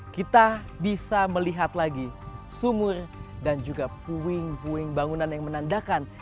kita bisa melihat lagi sumur dan juga puing puing bangunan yang menandakan